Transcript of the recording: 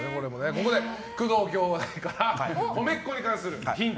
ここで工藤兄弟からコメッコに関するヒント。